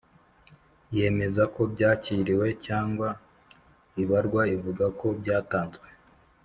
yemeza ko byakiriwe cyangwa ibarwa ivuga ko byatanzwe